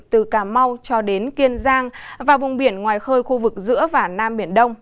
từ cà mau cho đến kiên giang và vùng biển ngoài khơi khu vực giữa và nam biển đông